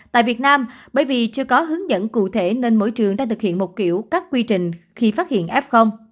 tại việt nam bởi vì chưa có hướng dẫn cụ thể nên mỗi trường đã thực hiện một kiểu các quy trình khi phát hiện f